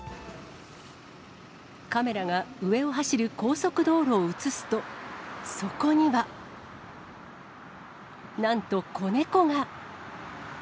カメラが上を走る高速道路を写すと、そこには。なんと子猫が。